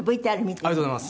ありがとうございます。